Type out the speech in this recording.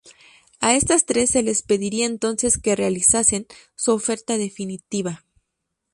A estas tres se les pediría entonces que realizasen "su oferta definitiva".